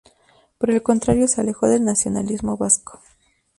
Por el contrario, se alejó del nacionalismo vasco.